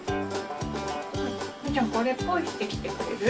これポイしてきてくれる？